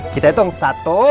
kita hitung satu